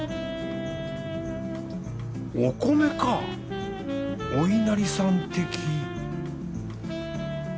お米かおいなりさん的